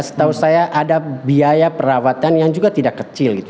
setahu saya ada biaya perawatan yang juga tidak kecil gitu